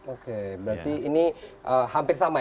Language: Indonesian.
oke berarti ini hampir sama ya